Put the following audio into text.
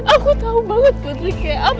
aku tau banget putri keam